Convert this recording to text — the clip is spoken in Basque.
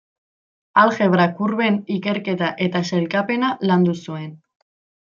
Aljebra-kurben ikerketa eta sailkapena landu zuen.